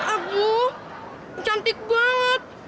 aduh cantik banget